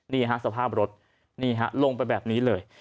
นี่ฮะสภาพรถนี่ฮะลงไปแบบนี้เลย